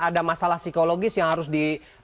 ada masalah psikologis yang harus di